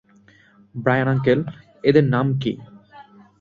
Brian uncle, এদের নাম কী?